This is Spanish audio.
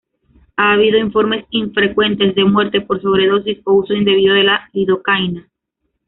Ha habido informes infrecuentes de muerte por sobredosis o uso indebido de la lidocaína.